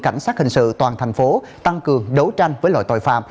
cảnh sát hình sự toàn thành phố tăng cường đấu tranh với loại tội phạm